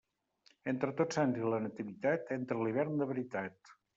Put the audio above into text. Entre Tots Sants i la Nativitat entra l'hivern de veritat.